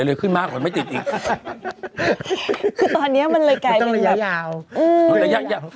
ระยะเยี่ยบ